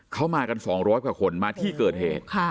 เขามากันสองร้อยกว่าคนมาที่เกิดเหตุ